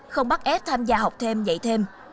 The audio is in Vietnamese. không bắt ép tham gia học thêm dạy thêm